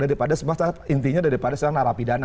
intinya daripada narapidana